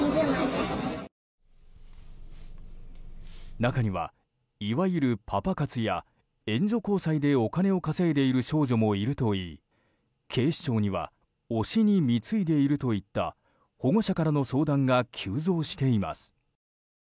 中にはいわゆるパパ活や援助交際でお金を稼いでいる少女もいるといい警視庁には推しに貢いでいるといった保護者からの相談が急増しています。